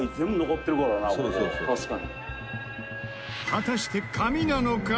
「確かに」果たして紙なのか？